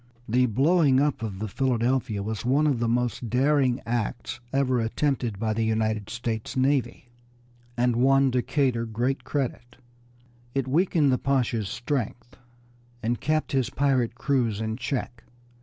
The blowing up of the Philadelphia was one of the most daring acts ever attempted by the United States Navy, and won Decatur great credit. It weakened the Pasha's strength, and kept his pirate crews in check.